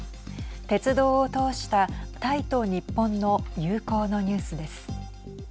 鉄道を通したタイと日本の友好のニュースです。